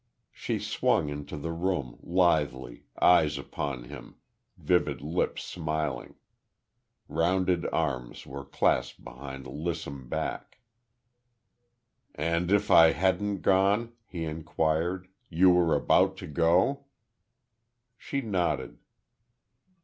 She swung into the room, lithely, eyes upon him, vivid lips smiling. Rounded arms were clasped behind lissome back. "And if I hadn't gone," he inquired, "you were about to go?" She nodded.